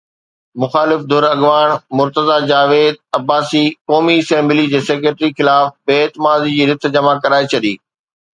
مخالف ڌر اڳواڻ مرتضيٰ جاويد عباسي قومي اسيمبلي جي سيڪريٽري خلاف بي اعتمادي جي رٿ جمع ڪرائي ڇڏي.